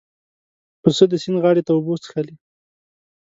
پسه د سیند غاړې ته اوبه څښلې.